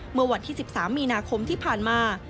เมื่อวันที่๑๓มีนาคมที่ผ่านมา